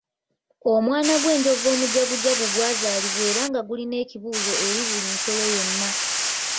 Omwana gw'enjovu omujagujagu gwazalibwa era nga gulina ekibuzo eri buli nsolo yonna.